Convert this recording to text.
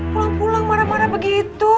pulang pulang marah marah begitu